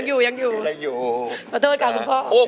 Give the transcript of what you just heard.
ยังอยู่